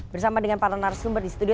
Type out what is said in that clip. bersama dengan para narasumber di studio